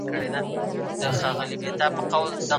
ډېرو ړوند سړو په ګڼ ځای کي ږیري پریښې وې.